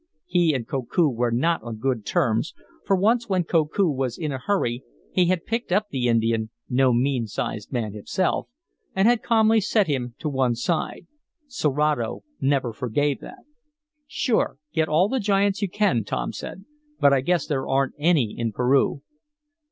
He and Koku were not on good terms, for once, when Koku was a hurry, he had picked up the Indian (no mean sized man himself) and had calmly set him to one side. Serato never forgave that. "Sure, get all the giants you can," Tom said. "But I guess there aren't any in Peru."